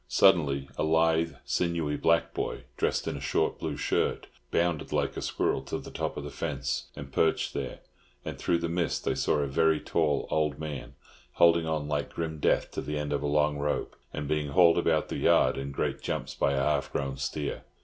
Suddenly a lithe, sinewy black boy, dressed in a short blue shirt, bounded like a squirrel to the top of the fence and perched there; and through the mist they saw a very tall old man, holding on like grim death to the end of a long rope, and being hauled about the yard in great jumps by a half grown steer.